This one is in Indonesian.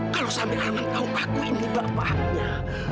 kalau sampe arman tau aku ini bapaknya